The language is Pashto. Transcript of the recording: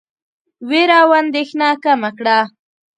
وېره او اندېښنه کمه کړه.